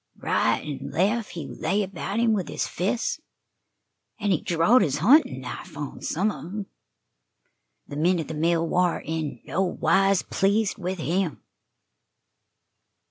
Right an' lef' he lay about him with his fists, an' he drawed his huntin' knife on some of 'em. The men at the mill war in no wise pleased with him."